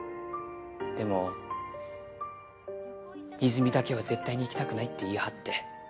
でも和泉だけは絶対に行きたくないって言い張って。